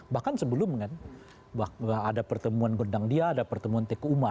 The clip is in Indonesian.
bahkan sebelum kan ada pertemuan gendang dia ada pertemuan tku umar